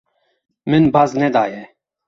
Min baz nedaye.